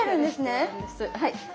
そうなんですはい。